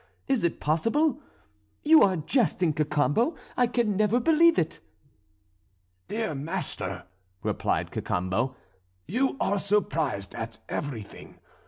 Is it possible? You are jesting, Cacambo, I can never believe it!" "Dear master," replied Cacambo; "you are surprised at everything.